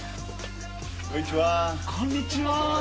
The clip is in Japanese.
こんにちは。